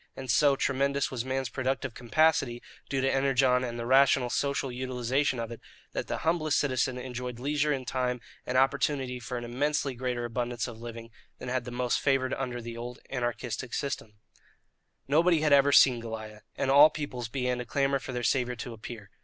And, so tremendous was man's productive capacity, due to Energon and the rational social utilization of it, that the humblest citizen enjoyed leisure and time and opportunity for an immensely greater abundance of living than had the most favoured under the old anarchistic system. Nobody had ever seen Goliah, and all peoples began to clamour for their saviour to appear.